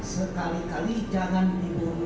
sekali kali jangan diburu kendali